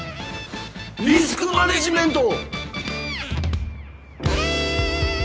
リスクマネジメント！